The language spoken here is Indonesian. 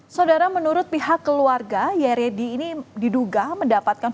saudara menurut pihak keluarga yaredi ini diduga mendapatkan hukuman yang tidak berhasil mencari penyakit